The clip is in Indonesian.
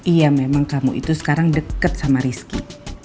iya memang kamu itu sekarang dekat sama rizky